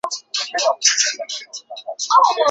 普吕尼亚讷。